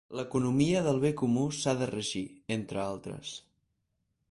L'economia del bé comú s'ha de regir, entre altres.